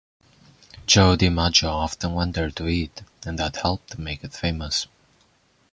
Joe DiMaggio often went there to eat, and that helped make it famous.